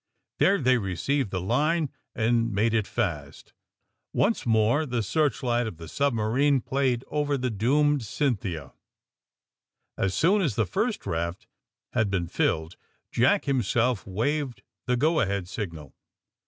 There they received the line and made it fast. Once more the searchlight of the subma rine played over the doomed *^ Cynthia." As soon as the first raft had been filled Jack himself waved the go ahead signal.